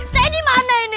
saya dimana ini